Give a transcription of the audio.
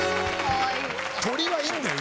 鳥はいいんだよ